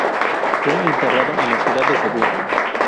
Fue enterrado en la ciudad de Cebú.